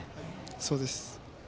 そうです。